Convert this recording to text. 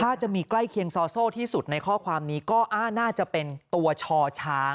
ถ้าจะมีใกล้เคียงซอโซ่ที่สุดในข้อความนี้ก็น่าจะเป็นตัวชอช้าง